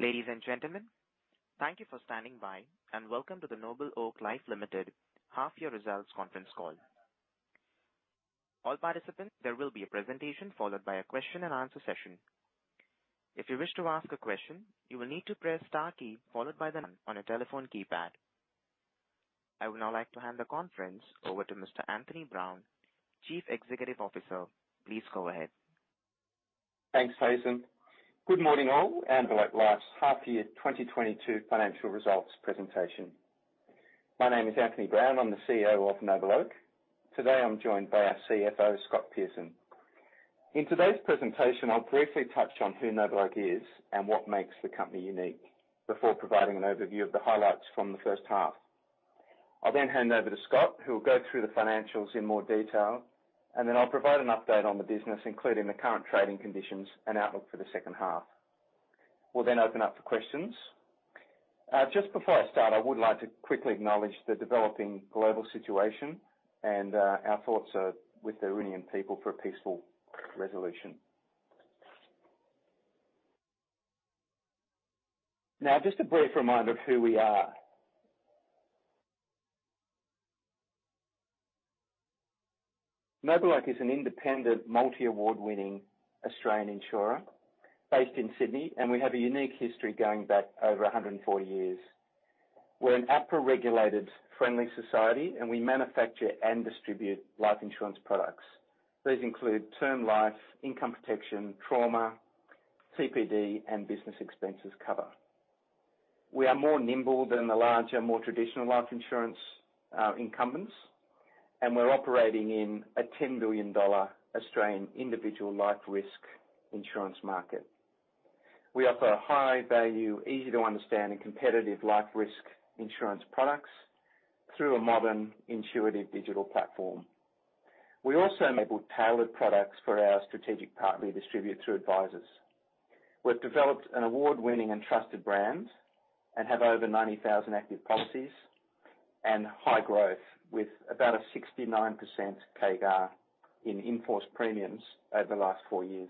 Ladies and gentlemen, thank you for standing by and welcome to the NobleOak Life Limited half-year results conference call. All participants, there will be a presentation followed by a question-and-answer session. If you wish to ask a question, you will need to press Star key followed by the 9 on a telephone keypad. I would now like to hand the conference over to Mr. Anthony Brown, Chief Executive Officer. Please go ahead. Thanks, Hassan. Good morning all, and welcome to NobleOak Life's half year 2022 financial results presentation. My name is Anthony Brown. I'm the CEO of NobleOak. Today, I'm joined by our CFO, Scott Pearson. In today's presentation, I'll briefly touch on who NobleOak is and what makes the company unique before providing an overview of the highlights from the first half. I'll then hand over to Scott, who will go through the financials in more detail, and then I'll provide an update on the business, including the current trading conditions and outlook for the second half. We'll then open up for questions. Just before I start, I would like to quickly acknowledge the developing global situation and our thoughts are with the Iranian people for a peaceful resolution. Now, just a brief reminder of who we are. NobleOak is an independent, multi-award-winning Australian insurer based in Sydney, and we have a unique history going back over 140 years. We're an APRA-regulated friendly society, and we manufacture and distribute life insurance products. These include term life, income protection, trauma, TPD, and business expenses cover. We are more nimble than the larger, more traditional life insurance incumbents, and we're operating in a 10 billion Australian dollars Australian individual life risk insurance market. We offer high value, easy to understand, and competitive life risk insurance products through a modern, intuitive digital platform. We also enable tailored products for our strategic partner distributors or advisors. We've developed an award-winning and trusted brand and have over 90,000 active policies and high growth with about a 69% CAGR in in-force premiums over the last 4 years.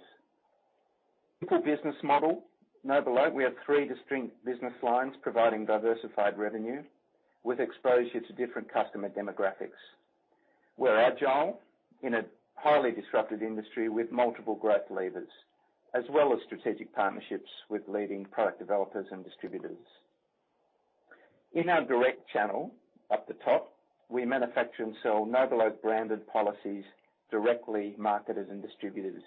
Simple business model. NobleOak, we have three distinct business lines providing diversified revenue with exposure to different customer demographics. We're agile in a highly disrupted industry with multiple growth levers, as well as strategic partnerships with leading product developers and distributors. In our direct channel, up the top, we manufacture and sell NobleOak branded policies directly to marketers and distributors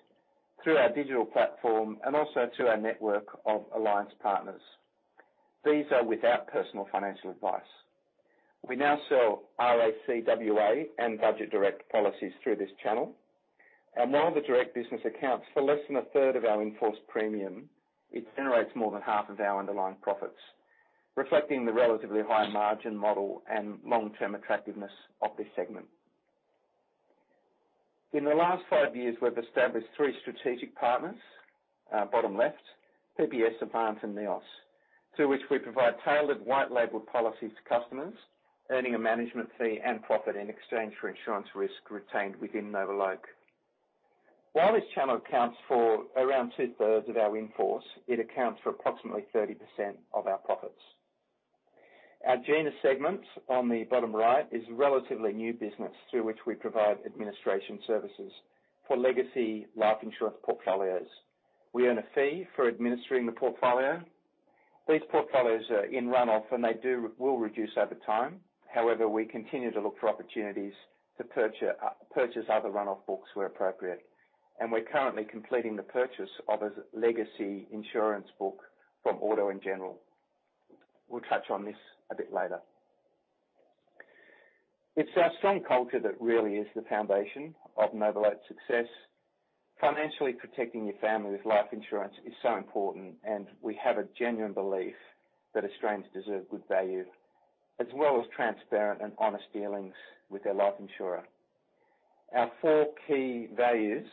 through our digital platform and also through our network of alliance partners. These are without personal financial advice. We now sell RAC WA and Budget Direct policies through this channel. While the direct business accounts for less than 1/3 of our in-force premium, it generates more than 1/2 of our underlying profits, reflecting the relatively high margin model and long-term attractiveness of this segment. In the last 5 years, we've established 3 strategic partners, bottom left, PPS, Avant, and NEOS, to which we provide tailored white label policies to customers earning a management fee and profit in exchange for insurance risk retained within NobleOak. While this channel accounts for around 2/3 of our in-force, it accounts for approximately 30% of our profits. Our Genus segment on the bottom right is relatively new business through which we provide administration services for legacy life insurance portfolios. We earn a fee for administering the portfolio. These portfolios are in run-off and will reduce over time. However, we continue to look for opportunities to purchase other run-off books where appropriate. We're currently completing the purchase of a legacy insurance book from Auto & General. We'll touch on this a bit later. It's our strong culture that really is the foundation of NobleOak's success. Financially protecting your family with life insurance is so important, and we have a genuine belief that Australians deserve good value, as well as transparent and honest dealings with their life insurer. Our four key values,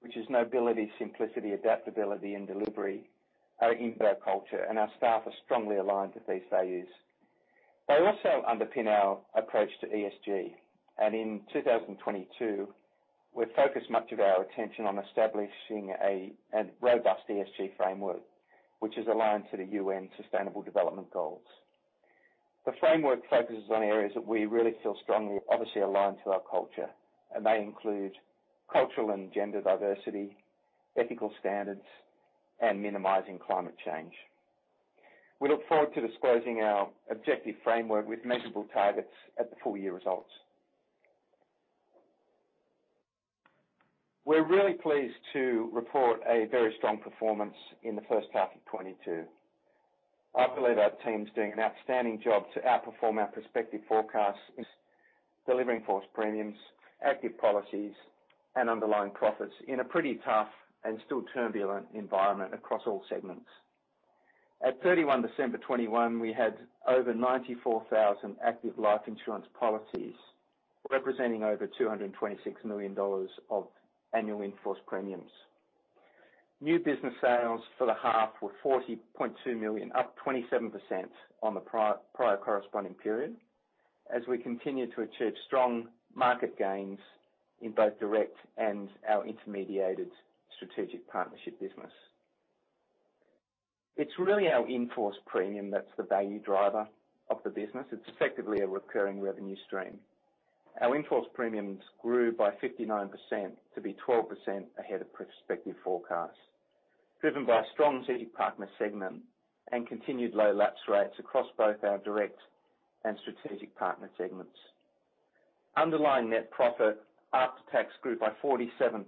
which is nobility, simplicity, adaptability, and delivery, are in our culture, and our staff are strongly aligned with these values. They also underpin our approach to ESG. In 2022, we focused much of our attention on establishing a robust ESG framework, which is aligned to the UN Sustainable Development Goals. The framework focuses on areas that we really feel strongly obviously aligned to our culture, and they include cultural and gender diversity, ethical standards, and minimizing climate change. We look forward to disclosing our ESG framework with measurable targets at the full-year results. We're really pleased to report a very strong performance in the first half of 2022. I believe our team's doing an outstanding job to outperform our prospective forecasts, delivering in-force premiums, active policies, and underlying profits in a pretty tough and still turbulent environment across all segments. At 31 December 2021, we had over 94,000 active life insurance policies, representing over 226 million dollars of annual in-force premiums. New business sales for the half were 40.2 million, up 27% on the prior corresponding period. As we continue to achieve strong market gains in both direct and our intermediated strategic partnership business. It's really our in-force premium that's the value driver of the business. It's effectively a recurring revenue stream. Our in-force premiums grew by 59% to be 12% ahead of prospective forecasts, driven by strong strategic partner segment and continued low lapse rates across both our direct and strategic partner segments. Underlying net profit after tax grew by 47%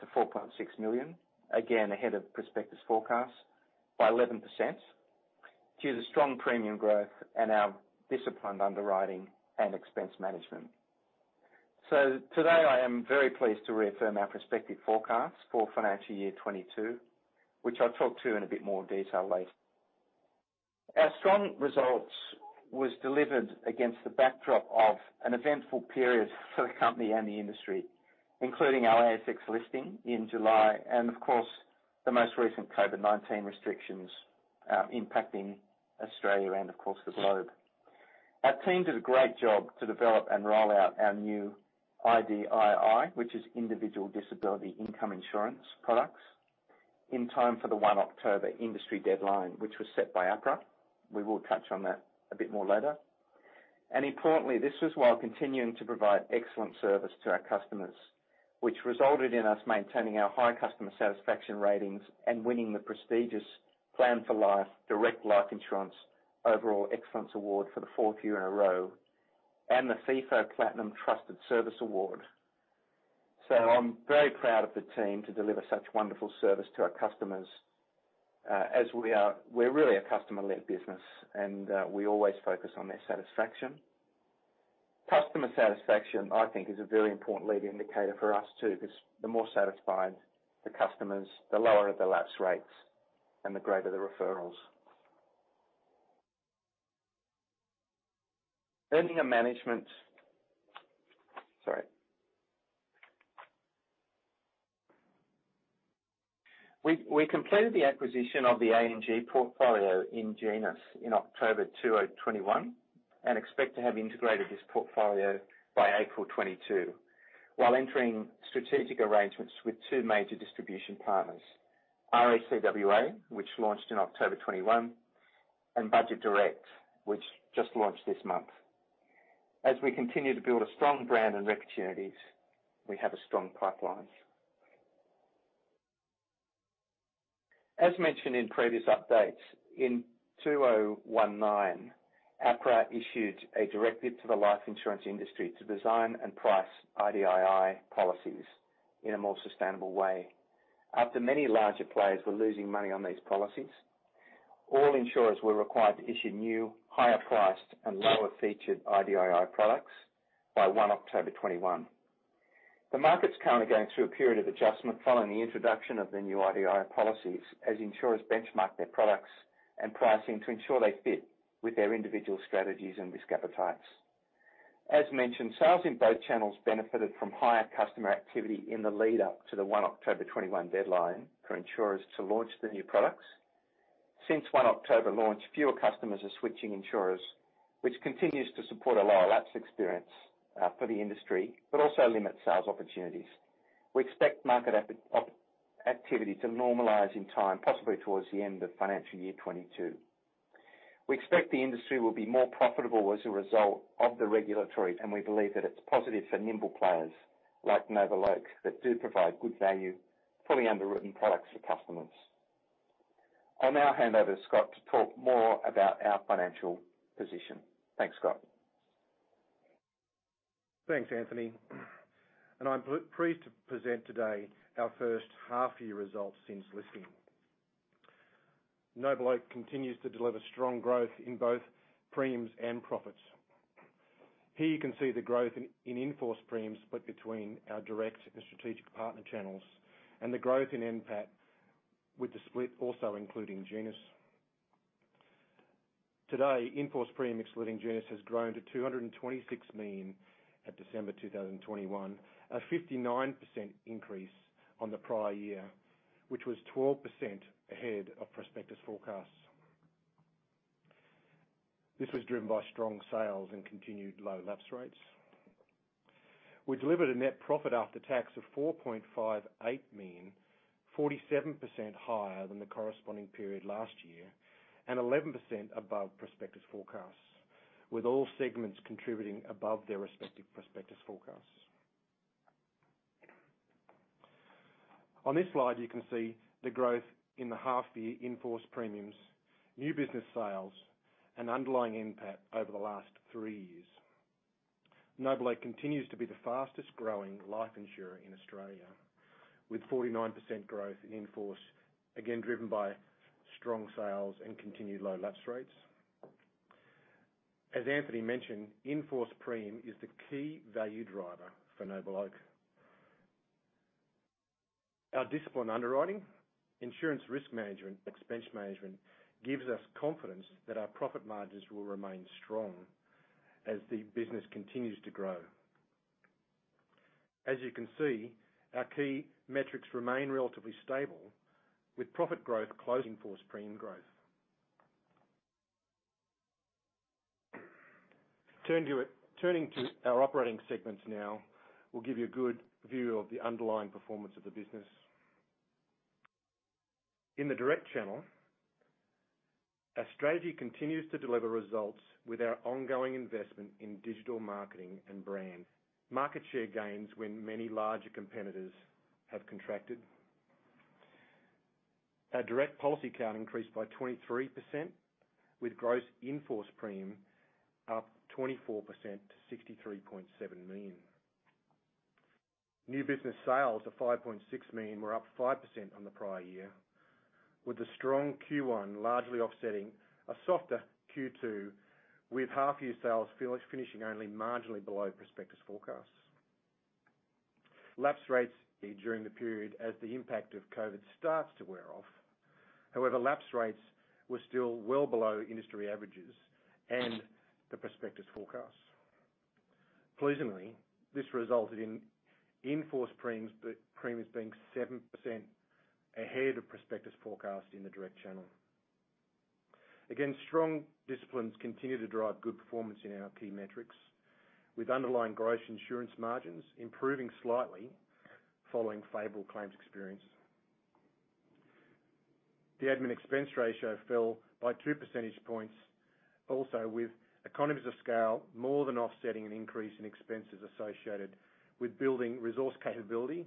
to 4.6 million, again, ahead of prospectus forecasts by 11% due to strong premium growth and our disciplined underwriting and expense management. Today, I am very pleased to reaffirm our prospective forecasts for financial year 2022, which I'll talk to in a bit more detail later. Our strong results was delivered against the backdrop of an eventful period for the company and the industry, including our ASX listing in July and of course, the most recent COVID-19 restrictions, impacting Australia and of course the globe. Our team did a great job to develop and roll out our new IDII, which is Individual Disability Income Insurance products in time for the 1 October industry deadline, which was set by APRA. We will touch on that a bit more later. Importantly, this was while continuing to provide excellent service to our customers, which resulted in us maintaining our high customer satisfaction ratings and winning the prestigious Plan for Life Direct Life Insurance Overall Excellence Award for the fourth year in a row, and the Feefo Platinum Trusted Service Award. I'm very proud of the team to deliver such wonderful service to our customers, we're really a customer-led business, and we always focus on their satisfaction. Customer satisfaction, I think, is a very important lead indicator for us, too, because the more satisfied the customers, the lower the lapse rates and the greater the referrals. We completed the acquisition of the A&G portfolio in Genus in October 2021, and expect to have integrated this portfolio by April 2022, while entering strategic arrangements with two major distribution partners, RAC WA, which launched in October 2021, and Budget Direct, which just launched this month. As we continue to build a strong brand and opportunities, we have a strong pipeline. As mentioned in previous updates, in 2019, APRA issued a directive to the life insurance industry to design and price IDII policies in a more sustainable way. After many larger players were losing money on these policies, all insurers were required to issue new, higher-priced and lower-featured IDII products by 1 October 2021. The market's currently going through a period of adjustment following the introduction of the new IDII policies as insurers benchmark their products and pricing to ensure they fit with their individual strategies and risk appetites. As mentioned, sales in both channels benefited from higher customer activity in the lead up to the 1 October 2021 deadline for insurers to launch the new products. Since 1 October 2021 launch, fewer customers are switching insurers, which continues to support a lower lapse experience for the industry, but also limits sales opportunities. We expect market activity to normalize in time, possibly towards the end of financial year 2022. We expect the industry will be more profitable as a result of the regulatory, and we believe that it's positive for nimble players like NobleOak that do provide good value, fully underwritten products for customers. I'll now hand over to Scott to talk more about our financial position. Thanks, Scott. Thanks, Anthony. I'm pleased to present today our first half year results since listing. NobleOak continues to deliver strong growth in both premiums and profits. Here you can see the growth in in-force premiums split between our direct and strategic partner channels, and the growth in NPAT, with the split also including Genus. Today, in-force premium excluding Genus has grown to 226 million at December 2021, a 59% increase on the prior year, which was 12% ahead of prospectus forecasts. This was driven by strong sales and continued low lapse rates. We delivered a net profit after tax of 4.58 million, 47% higher than the corresponding period last year, and 11% above prospectus forecasts, with all segments contributing above their respective prospectus forecasts. On this slide, you can see the growth in the half-year in-force premiums, new business sales, and underlying NPAT over the last three years. NobleOak continues to be the fastest growing life insurer in Australia, with 49% growth in in-force, again, driven by strong sales and continued low lapse rates. As Anthony mentioned, in-force premium is the key value driver for NobleOak. Our disciplined underwriting, insurance risk management, expense management gives us confidence that our profit margins will remain strong as the business continues to grow. As you can see, our key metrics remain relatively stable, with profit growth closely following strong growth. Turning to our operating segments now, we'll give you a good view of the underlying performance of the business. In the direct channel, our strategy continues to deliver results with our ongoing investment in digital marketing and brand. Market share gains when many larger competitors have contracted. Our direct policy count increased by 23%, with gross in-force premium up 24% to 63.7 million. New business sales of 5.6 million were up 5% on the prior year, with the strong Q1 largely offsetting a softer Q2, with half-year sales finishing only marginally below prospectus forecasts. Lapse rates during the period as the impact of COVID starts to wear off. However, lapse rates were still well below industry averages and the prospectus forecasts. Pleasingly, this resulted in in-force premiums being 7% ahead of prospectus forecast in the direct channel. Again, strong disciplines continue to drive good performance in our key metrics, with underlying gross insurance margins improving slightly following favorable claims experiences. The admin expense ratio fell by 2 percentage points, also with economies of scale more than offsetting an increase in expenses associated with building resource capability,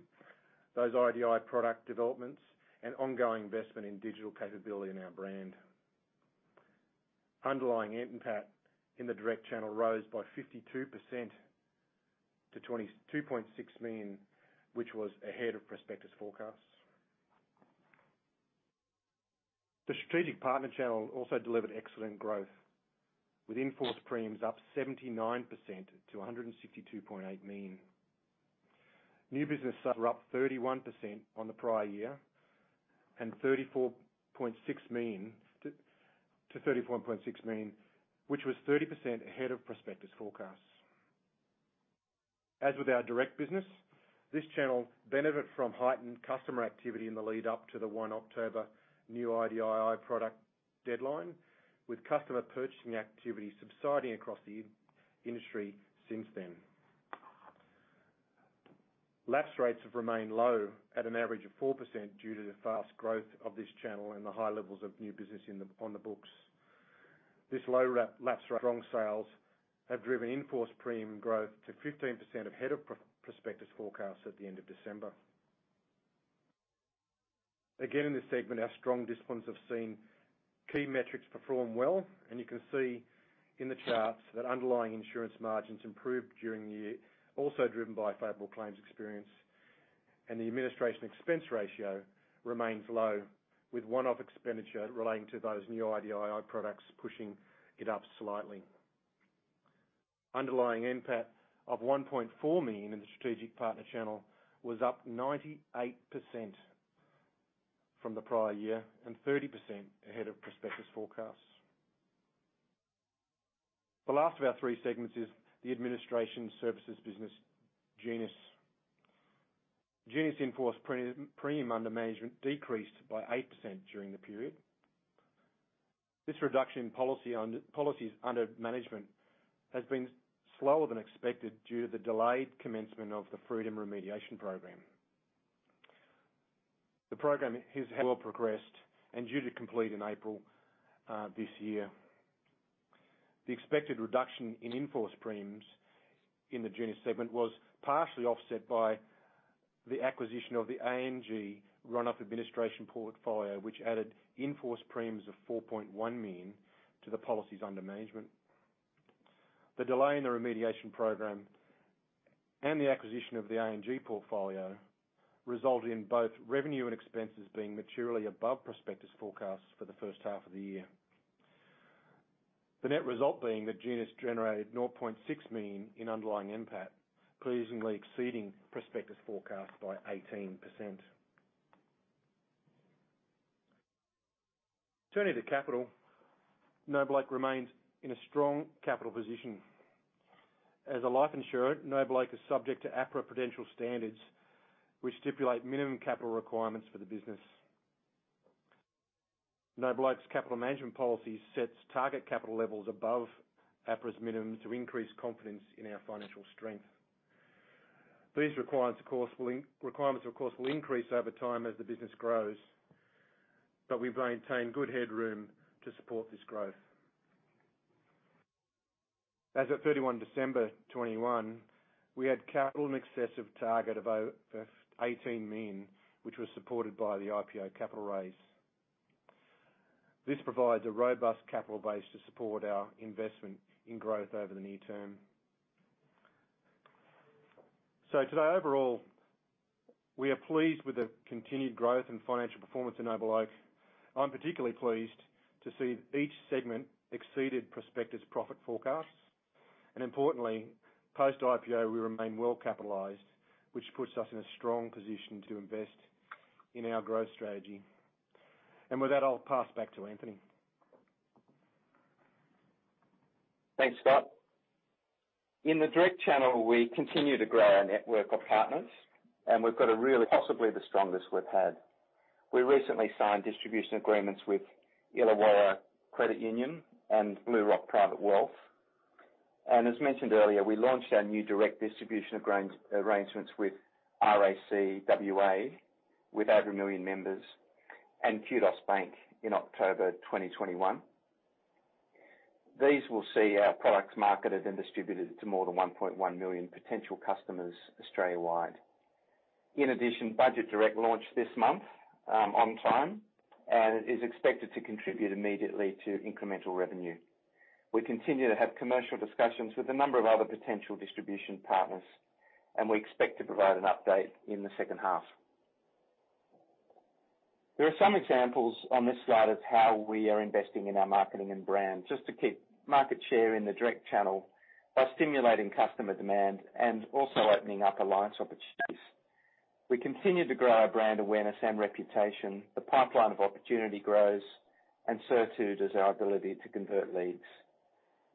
those IDII product developments, and ongoing investment in digital capability in our brand. Underlying NPAT in the direct channel rose by 52% to 22.6 million, which was ahead of prospectus forecasts. The strategic partner channel also delivered excellent growth, with in-force premiums up 79% to 162.8 million. New business set were up 31% on the prior year, and to 34.6 million, which was 30% ahead of prospectus forecasts. As with our direct business, this channel benefited from heightened customer activity in the lead up to the 1 October new IDII product deadline, with customer purchasing activity subsiding across the industry since then. Lapse rates have remained low at an average of 4% due to the fast growth of this channel and the high levels of new business on the books. This low lapse rate, strong sales have driven in-force premium growth to 15% ahead of prospectus forecasts at the end of December. Again, in this segment, our strong disciplines have seen key metrics perform well, and you can see in the charts that underlying insurance margins improved during the year, also driven by favorable claims experience. The administration expense ratio remains low, with one-off expenditure relating to those new IDII products pushing it up slightly. Underlying NPAT of 1.4 million in the strategic partner channel was up 98% from the prior year and 30% ahead of prospectus forecasts. The last of our three segments is the administration services business, Genus. Genus in-force premium under management decreased by 8% during the period. This reduction in policies under management has been slower than expected due to the delayed commencement of the Freedom remediation program. The program is well progressed and due to complete in April this year. The expected reduction in in-force premiums in the Genus segment was partially offset by the acquisition of the A&G run-off administration portfolio, which added in-force premiums of 4.1 million to the policies under management. The delay in the remediation program and the acquisition of the A&G portfolio result in both revenue and expenses being materially above prospectus forecasts for the first half of the year. The net result being that Genus generated 0.6 million in underlying NPAT, pleasingly exceeding prospectus forecasts by 18%. Turning to capital, NobleOak remains in a strong capital position. As a life insurer, NobleOak is subject to APRA Prudential standards, which stipulate minimum capital requirements for the business. NobleOak's capital management policy sets target capital levels above APRA's minimum to increase confidence in our financial strength. These requirements, of course, will increase over time as the business grows, but we maintain good headroom to support this growth. As of 31 December 2021, we had capital in excess of target of 18 million, which was supported by the IPO capital raise. This provides a robust capital base to support our investment in growth over the near term. Today, overall, we are pleased with the continued growth and financial performance in NobleOak. I'm particularly pleased to see each segment exceeded prospectus profit forecasts. Importantly, post-IPO, we remain well capitalized, which puts us in a strong position to invest in our growth strategy. With that, I'll pass back to Anthony. Thanks, Scott. In the direct channel, we continue to grow our network of partners, and we've got a really possibly the strongest we've had. We recently signed distribution agreements with Illawarra Credit Union and BlueRock Private Wealth. As mentioned earlier, we launched our new direct distribution arrangements with RAC WA, with over 1 million members, and Qudos Bank in October 2021. These will see our products marketed and distributed to more than 1.1 million potential customers Australia-wide. In addition, Budget Direct launched this month on time and is expected to contribute immediately to incremental revenue. We continue to have commercial discussions with a number of other potential distribution partners, and we expect to provide an update in the second half. There are some examples on this slide of how we are investing in our marketing and brand, just to keep market share in the direct channel by stimulating customer demand and also opening up alliance opportunities. We continue to grow our brand awareness and reputation. The pipeline of opportunity grows and so too does our ability to convert leads.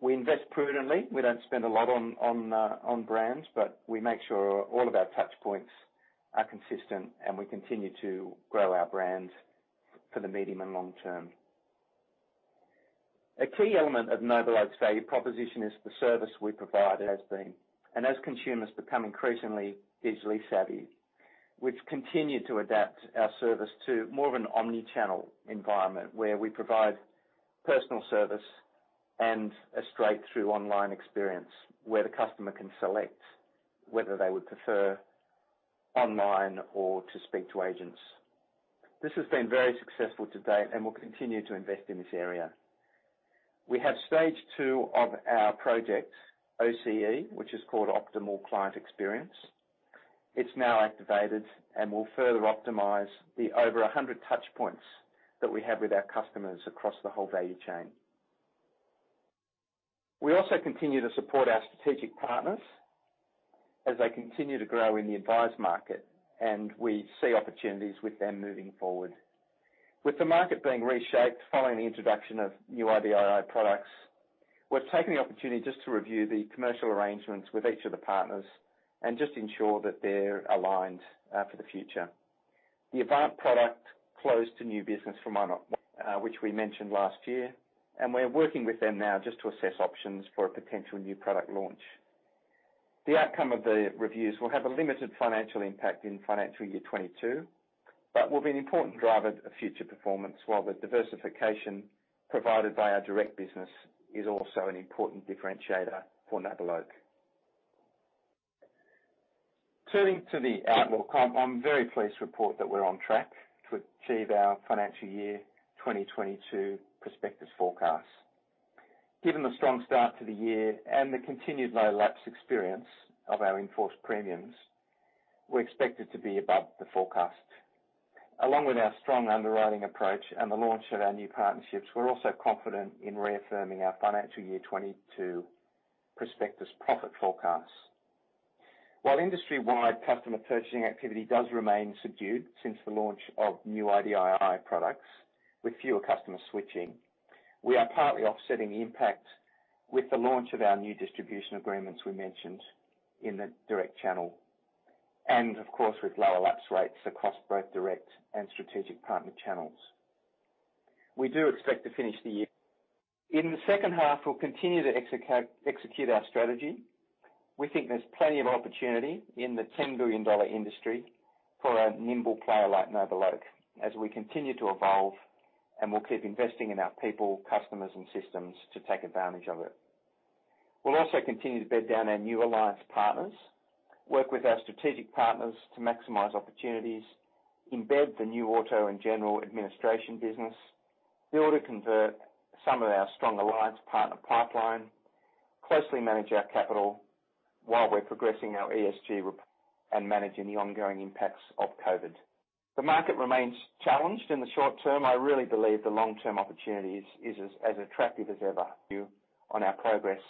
We invest prudently. We don't spend a lot on brands, but we make sure all of our touchpoints are consistent, and we continue to grow our brand for the medium and long term. A key element of NobleOak's value proposition is the service we provide has been. As consumers become increasingly digitally savvy, we've continued to adapt our service to more of an omni-channel environment where we provide personal service and a straight-through online experience where the customer can select whether they would prefer online or to speak to agents. This has been very successful to date, and we'll continue to invest in this area. We have stage two of our project, OCE, which is called Optimal Client Experience. It's now activated and will further optimize the over 100 touchpoints that we have with our customers across the whole value chain. We also continue to support our strategic partners as they continue to grow in the advised market, and we see opportunities with them moving forward. With the market being reshaped following the introduction of IDII products, we're taking the opportunity just to review the commercial arrangements with each of the partners and just ensure that they're aligned for the future. The Avant product closed to new business from 1 October, which we mentioned last year, and we're working with them now just to assess options for a potential new product launch. The outcome of the reviews will have a limited financial impact in financial year 2022, but will be an important driver of future performance, while the diversification provided by our direct business is also an important differentiator for NobleOak. Turning to the outlook, I'm very pleased to report that we're on track to achieve our financial year 2022 prospectus forecasts. Given the strong start to the year and the continued low lapse experience of our enforced premiums, we're expected to be above the forecast. Along with our strong underwriting approach and the launch of our new partnerships, we're also confident in reaffirming our financial year 2022 prospectus profit forecast. While industry-wide customer purchasing activity does remain subdued since the launch of new IDII products with fewer customers switching, we are partly offsetting the impact with the launch of our new distribution agreements we mentioned in the direct channel, and of course, with lower lapse rates across both direct and strategic partner channels. We do expect to finish the year. In the second half, we'll continue to execute our strategy. We think there's plenty of opportunity in the 10 billion dollar industry for a nimble player like NobleOak as we continue to evolve, and we'll keep investing in our people, customers, and systems to take advantage of it. We'll also continue to bed down our new alliance partners, work with our strategic partners to maximize opportunities, embed the new Auto & General administration business, be able to convert some of our strong alliance partner pipeline, closely manage our capital while we're progressing our ESG reporting and managing the ongoing impacts of COVID. The market remains challenged in the short term. I really believe the long-term opportunity is as attractive as ever on our progress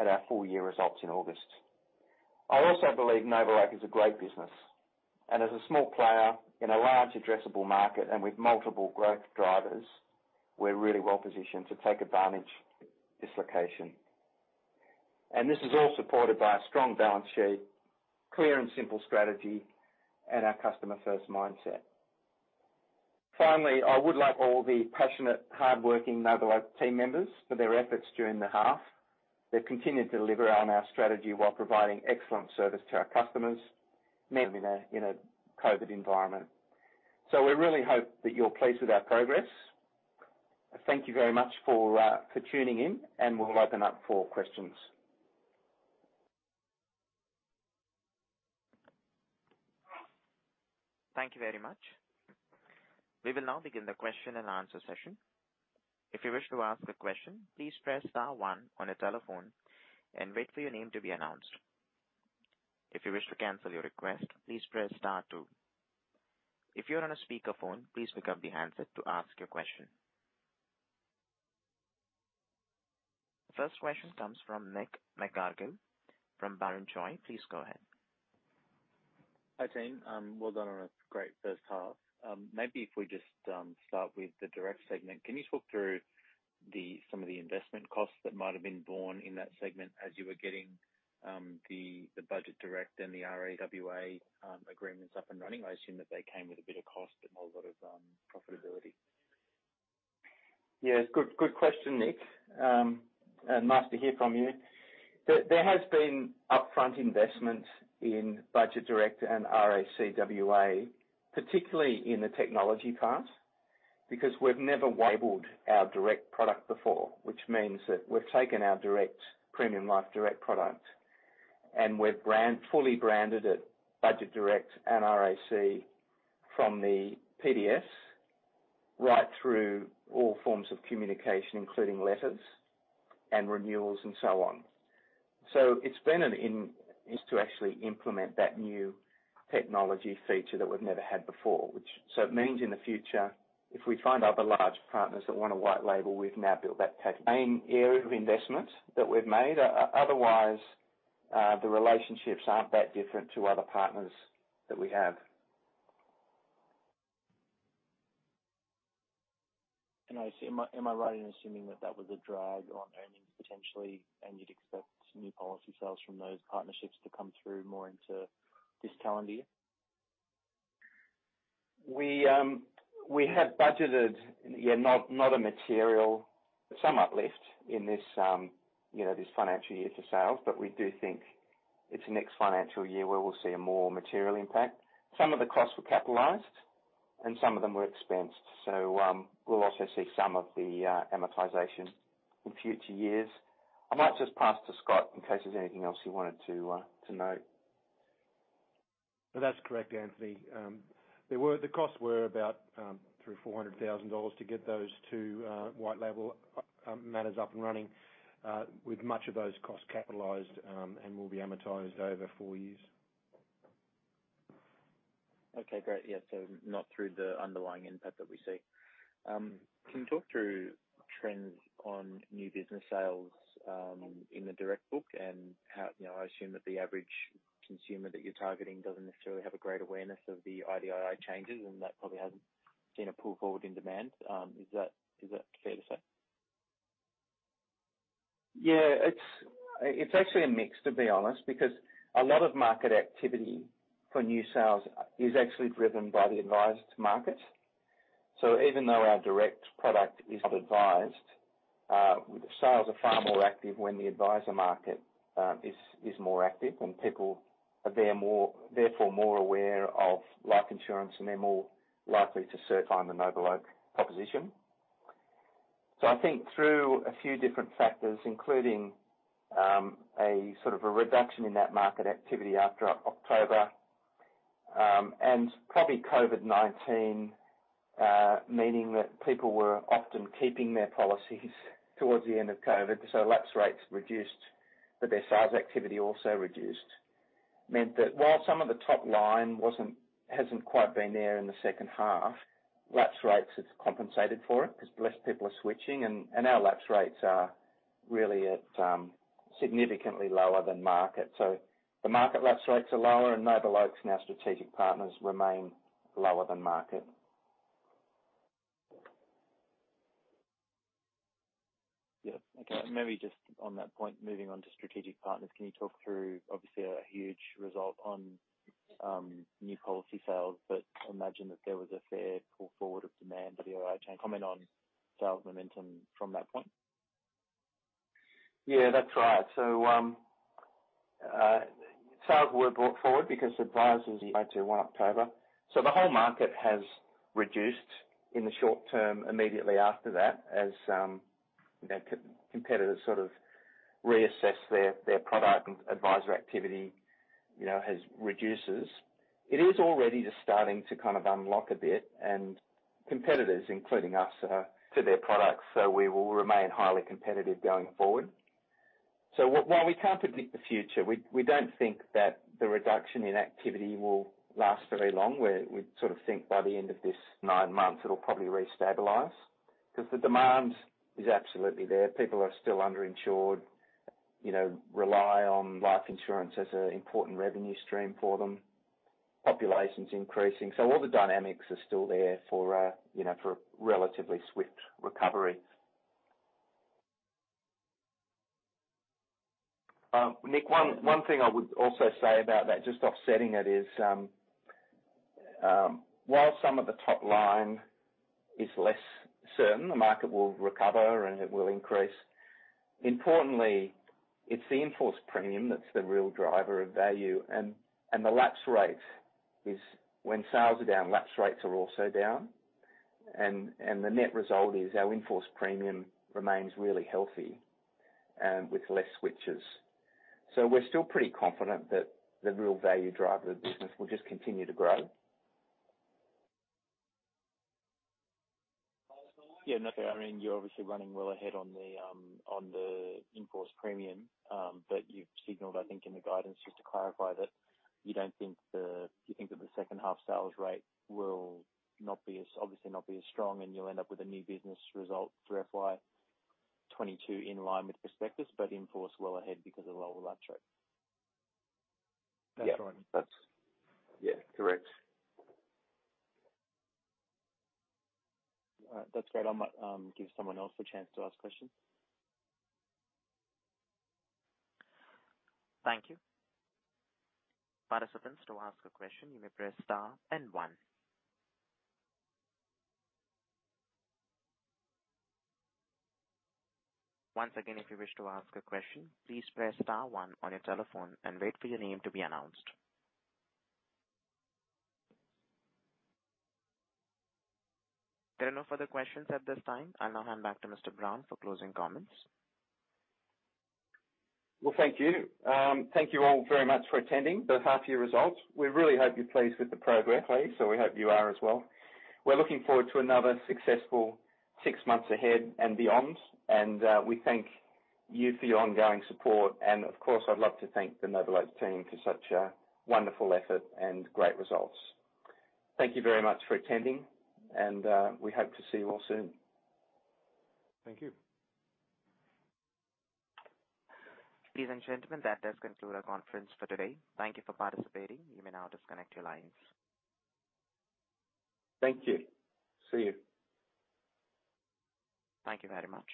at our full year results in August. I also believe NobleOak is a great business. As a small player in a large addressable market and with multiple growth drivers, we're really well-positioned to take advantage of this location. This is all supported by a strong balance sheet, clear and simple strategy, and our customer-first mindset. Finally, I would like to thank all the passionate, hardworking NobleOak team members for their efforts during the half. They've continued to deliver on our strategy while providing excellent service to our customers, mainly in a COVID environment. We really hope that you're pleased with our progress. Thank you very much for tuning in, and we'll open up for questions. Thank you very much. We will now begin the question and answer session. If you wish to ask a question, please press star one on your telephone and wait for your name to be announced. If you wish to cancel your request, please press star two. If you're on a speakerphone, please pick up the handset to ask your question. First question comes from Nick McGerrigle from Barrenjoey. Please go ahead. Hi, team. Well done on a great first half. Maybe if we just start with the direct segment. Can you talk through some of the investment costs that might have been borne in that segment as you were getting the Budget Direct and the RAC WA agreements up and running? I assume that they came with a bit of cost and not a lot of profitability. Yes. Good question, Nick. Nice to hear from you. There has been upfront investments in Budget Direct and RAC WA, particularly in the technology part, because we've never labeled our direct product before, which means that we've taken our PremiumLife Direct direct product, and we've fully branded it Budget Direct and RAC WA from the PDS right through all forms of communication, including letters and renewals, and so on. It's been an investment to actually implement that new technology feature that we've never had before. It means in the future, if we find other large partners that wanna white label, we've now built that tech. Main area of investment that we've made. Otherwise, the relationships aren't that different to other partners that we have. Am I right in assuming that that was a drag on earnings potentially, and you'd expect new policy sales from those partnerships to come through more into this calender year? We have budgeted, yeah, not a material, but somewhat left in this financial year for sales, but we do think it's next financial year where we'll see a more material impact. Some of the costs were capitalized and some of them were expensed, so we'll also see some of the amortization in future years. I might just pass to Scott in case there's anything else you wanted to know. That's correct, Anthony. The costs were about 300,000-400,000 dollars to get those two white label matters up and running, with much of those costs capitalized, and will be amortized over four years. Okay, great. Yeah, not through the underlying impact that we see. Can you talk through trends on new business sales in the direct book. You know, I assume that the average consumer that you're targeting doesn't necessarily have a great awareness of the IDII changes, and that probably hasn't been a pull forward in demand. Is that fair to say? Yeah. It's actually a mix, to be honest, because a lot of market activity for new sales is actually driven by the advised markets. Even though our direct product is not advised, the sales are far more active when the advisor market is more active and people are there more, therefore more aware of life insurance, and they're more likely to search on the NobleOak proposition. I think through a few different factors, including a sort of reduction in that market activity after October, and probably COVID-19, meaning that people were often keeping their policies towards the end of COVID-19. Lapse rates reduced, but their sales activity also reduced. meant that while some of the top line hasn't quite been there in the second half, lapse rates has compensated for it, 'cause less people are switching, and our lapse rates are really at, significantly lower than market. The market lapse rates are lower, and NobleOak's strategic partners remain lower than market. Yeah. Okay. Maybe just on that point, moving on to strategic partners, can you talk through obviously a huge result on new policy sales, but I imagine that there was a fair pull forward of demand for the IDII change. Comment on sales momentum from that point. Yeah, that's right. Sales were brought forward because advisors went to 1 October. The whole market has reduced in the short term immediately after that, as you know, competitors sort of reassess their product and advisor activity, you know, reduces. It is already just starting to kind of unlock a bit and competitors, including us, are true to their products, so we will remain highly competitive going forward. While we can't predict the future, we don't think that the reduction in activity will last very long. We sort of think by the end of this nine months it'll probably restabilize, 'cause the demand is absolutely there. People are still under-insured, you know, rely on life insurance as an important revenue stream for them. Population's increasing. All the dynamics are still there for a relatively swift recovery. Nick, one thing I would also say about that, just offsetting it is, while some of the top line is less certain, the market will recover, and it will increase. Importantly, it's the in-force premium that's the real driver of value. The lapse rate is when sales are down, lapse rates are also down. The net result is our in-force premium remains really healthy, and with less switches. We're still pretty confident that the real value driver of the business will just continue to grow. Yeah. No, I mean, you're obviously running well ahead on the in-force premium, but you've signaled, I think, in the guidance, just to clarify, that you don't think you think that the second half sales rate will not be as, obviously not be as strong, and you'll end up with a new business result for FY 2022 in line with prospectus, but in-force well ahead because of lower lapse rates. That's right. Yeah. Correct. All right. That's great. I'll give someone else a chance to ask questions. Thank you. Participants, to ask a question, you may press star and one. Once again, if you wish to ask a question, please press star one on your telephone and wait for your name to be announced. There are no further questions at this time. I'll now hand back to Mr. Brown for closing comments. Well, thank you. Thank you all very much for attending the half year results. We really hope you're pleased with the progress, so we hope you are as well. We're looking forward to another successful six months ahead and beyond. We thank you for your ongoing support. Of course, I'd love to thank the NobleOak team for such a wonderful effort and great results. Thank you very much for attending, and we hope to see you all soon. Thank you. Ladies and gentlemen, that does conclude our conference for today. Thank you for participating. You may now disconnect your lines. Thank you. See you. Thank you very much.